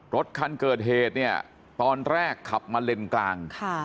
รถคันเกิดเหตุเนี่ยตอนแรกขับมาเลนกลาง